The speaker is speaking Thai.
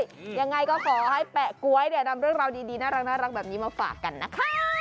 ยังไงก็ขอให้แปะก๊วยเนี่ยนำเรื่องราวดีดีน่ารักแบบนี้มาฝากกันนะคะ